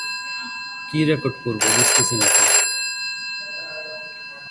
বিজয়ের ফলে অর্জিত সম্পদ উমর জাগতিক কাজে ব্যবহার করতেন।